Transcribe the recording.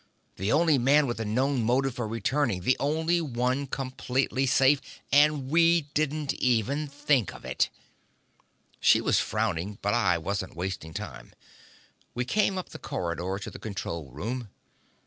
"The only man with a known motive for returning, the only one completely safe and we didn't even think of it!" She was still frowning, but I wasn't wasting time. We came up the corridor to the control room.